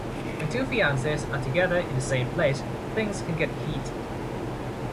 When two fiancés are together in the same place, things can get heated.